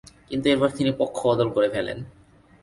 কিন্তু এরপর তিনি পক্ষ বদল করে ফেলেন।